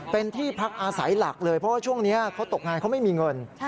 เป็นที่พักอาศัยหลักเลยเพราะว่าช่วงนี้เขาตกงานเขาไม่มีเงิน